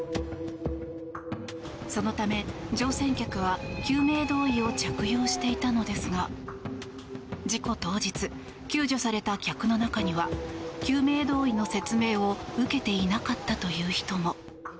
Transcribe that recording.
そのため乗船客は救命胴衣を着用していたのですが事故当日、救助された客の中には救命胴衣の説明を受けていなかったという人も。